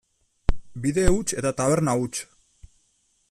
Bide huts eta taberna huts.